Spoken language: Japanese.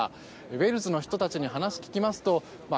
ウェールズの人たちに話を聞きますと